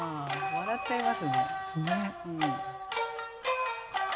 笑っちゃいますね。